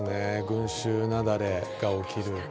群集雪崩が起きる。